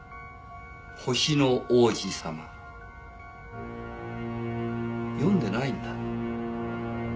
『星の王子さま』読んでないんだ。